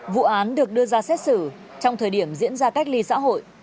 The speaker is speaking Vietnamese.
vụ án được đưa ra xét xử trong thời điểm diễn ra cách ly xã hội